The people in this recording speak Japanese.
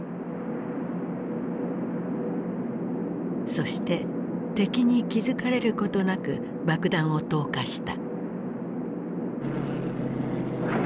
そして敵に気付かれることなく爆弾を投下した。